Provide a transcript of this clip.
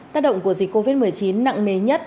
tác động của dịch covid một mươi chín nặng nề nhất